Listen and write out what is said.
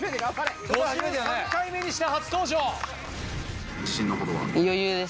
５３回目にして初登場。